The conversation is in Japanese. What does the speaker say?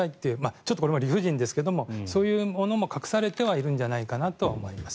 ちょっとこれも理不尽ですがそういうものも隠されてはいるんじゃないかとは思います。